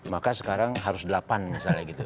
maka sekarang harus delapan misalnya gitu